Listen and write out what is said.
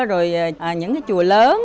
rồi những cái chùa lớn